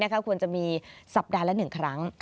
ควรจะมีสัปดาห์ละ๑ครั้ง